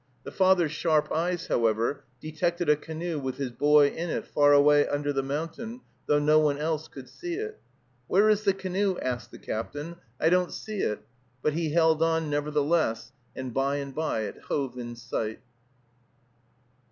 The father's sharp eyes, however, detected a canoe with his boy in it far away under the mountain, though no one else could see it. "Where is the canoe?" asked the captain, "I don't see it;" but he held on, nevertheless, and by and by it hove in sight.